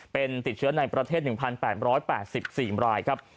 เป็นติดเชื้อในประเทศ๑๘๘๔รายครับ